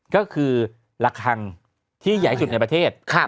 ก็คือระคังที่ใหญ่สุดในประเทศ